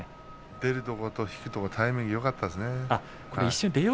出るところと引きとタイミングがよかったですね。